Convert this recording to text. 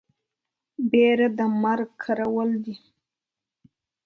بيره د مرگ کرول دي.